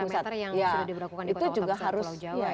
mengikuti parameter yang sudah diberakukan di kota kota besar di pulau jawa